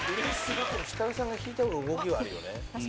設楽さんが引いた方が動きはあるよね。